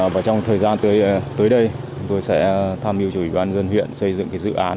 và trong thời gian tới đây tôi sẽ tham dự chủ yếu đoàn dân huyện xây dựng dự án